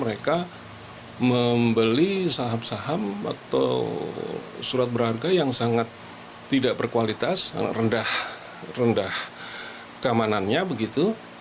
mereka membeli saham saham atau surat berharga yang sangat tidak berkualitas rendah keamanannya begitu